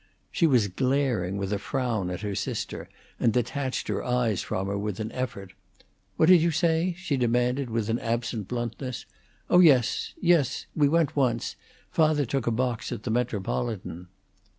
She was glaring with a frown at her sister, and detached her eyes from her with an effort. "What did you say?" she demanded, with an absent bluntness. "Oh yes. Yes! We went once. Father took a box at the Metropolitan."